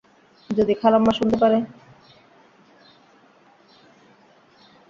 যদি খালাম্মা শুনতে পারে?